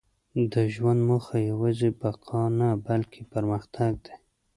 • د ژوند موخه یوازې بقا نه، بلکې پرمختګ دی.